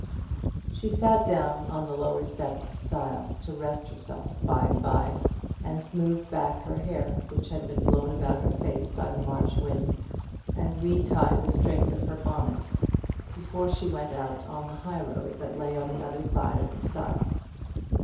She sat down on the lower step of a stile to rest herself by and by, and smoothed back her hair, which had been blown about her face by the March wind, and re tied the strings of her bonnet, before she went out on the high road, that lay on the other side of the stile.